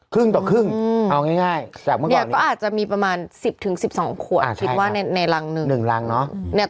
ครึ่งต่อครึ่งเอาง่ายแต่เมื่อก่อนนี้ก็อาจจะมีประมาณ๑๐๑๒ขวดคิดว่าในรังหนึ่ง